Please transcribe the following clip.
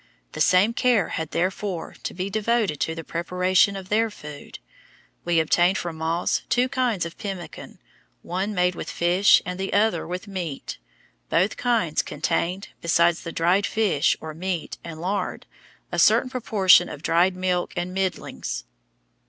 The same care had therefore to be devoted to the preparation of their food. We obtained from Moss two kinds of pemmican, one made with fish and the other with meat. Both kinds contained, besides the dried fish (or meat) and lard, a certain proportion of dried milk and middlings.